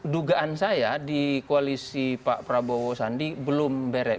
dugaan saya di koalisi pak prabowo sandi belum beres